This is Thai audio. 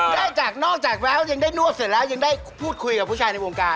ได้จากนอกจากแววยังได้นวดเสร็จแล้วยังได้พูดคุยกับผู้ชายในวงการ